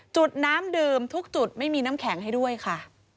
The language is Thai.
จุดน้ำดื่มทุกจุดไม่มีน้ำแข็งให้ด้วยค่ะ